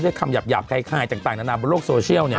คำหยาบคล้ายต่างนานาบนโลกโซเชียลเนี่ย